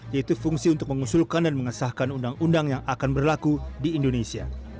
yaitu fungsi untuk mengusulkan dan mengesahkan undang undang yang akan berlaku di indonesia